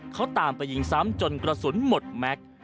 เขาตามไปยิงซ้ำจนกระสุนหมดแม็กซ์